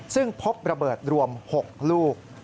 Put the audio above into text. ซึ่งพบระเบิดรวม๖ลูก